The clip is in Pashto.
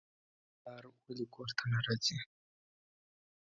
زما پلار ولې کور ته نه راځي.